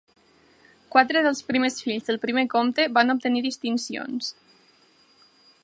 Quatre dels primers fills del primer comte van obtenir distincions.